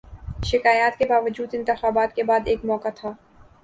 شکایات کے باوجود، انتخابات کے بعد ایک موقع تھا۔